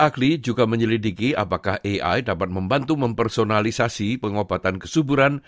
ahli juga menyelidiki apakah ai dapat membantu mempersonalisasi pengobatan kesuburan